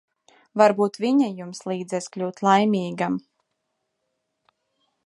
Varbūt viņa jums līdzēs kļūt laimīgam.